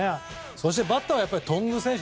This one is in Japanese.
そして、バッターは頓宮選手。